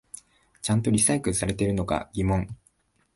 ちゃんとリサイクルされてるのか疑問